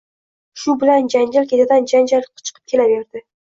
Shu bilan janjal ketidan janjal chiqib kelaveradi...